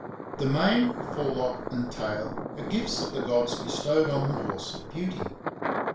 The mane, forelock, and tail are gifts of the gods bestowed on the horse for beauty.